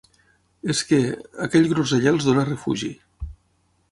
És que... aquell groseller els dóna refugi.